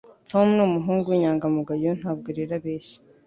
Tom numuhungu winyangamugayo, ntabwo rero abeshya.